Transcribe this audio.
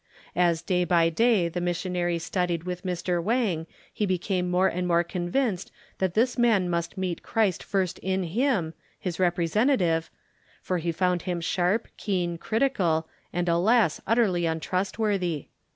As day by day the missionary studied with Mr. Wang he became more and more convinced that this man must meet Christ first in him, His representative, for he found him sharp, keen, critical, and alas, utterly untrustworthy.